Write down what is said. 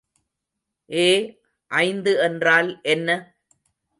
ஏ ஐந்து என்றால் என்ன?